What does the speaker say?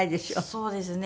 そうですね。